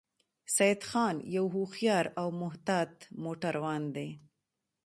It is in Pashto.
سیدخان یو هوښیار او محتاط موټروان دی